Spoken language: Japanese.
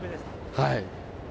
はい。